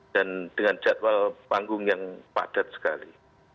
dan dengan jadwal panggung yang padat sekali